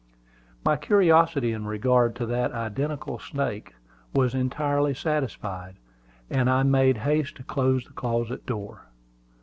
] My curiosity in regard to that identical snake was entirely satisfied, and I made haste to close the closet door.